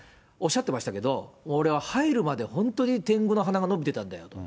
おっしゃってましたけど、俺は入るまで本当に天狗の鼻が伸びてたんだよ。